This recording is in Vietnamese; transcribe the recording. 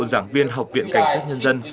giảng viên học viện cảnh sát nhân dân